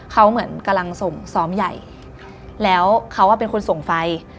เขาเหมือนกำลังส่งซ้อมใหญ่แล้วเขาเป็นคนส่งไฟ